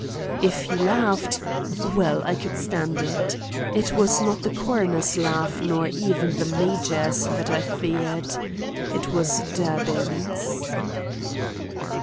If he laughed—well, I could stand it. It was not the coroner's laugh, nor even the major's, that I feared; it was Durbin's.